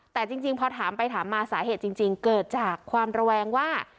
แต่จริงพอถามไปถามมาสาเหตุจริงเกิดจากความระแวงว่า